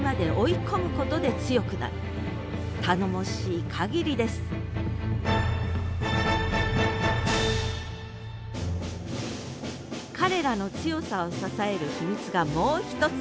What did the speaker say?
たのもしい限りです彼らの強さを支える秘密がもう一つ。